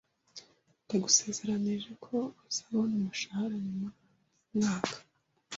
Ndagusezeranije ko uzabona umushahara nyuma yumwaka.